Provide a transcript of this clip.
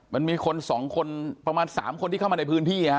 มันมีคน๒คนประมาณ๓คนที่เข้ามาในพื้นที่